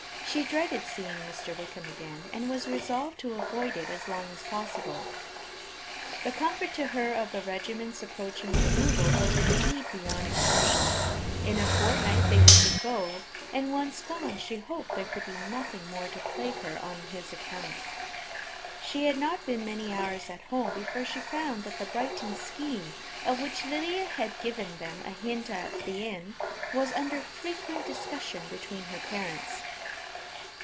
She dreaded seeing Wickham again, and was resolved to avoid it as long as possible. The comfort to her, of the regiment's approaching removal, was indeed beyond expression. In a fortnight they were to go, and once gone, she hoped there could be nothing more to plague her on his account. She had not been many hours at home, before she found that the Brighton scheme, of which Lydia had given them a hint at the inn, was under frequent discussion between her parents.